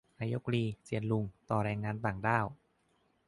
นายก ลี เซียนลุง ต่อแรงงานต่างด้าว